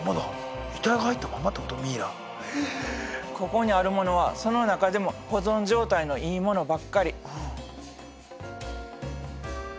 ここにあるものはその中でも保存状態のいいものばっかり。